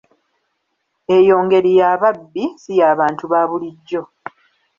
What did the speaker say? Eyo ngeri ya babbi, ssi ya bantu ba bulijjo.